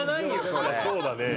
そうだね。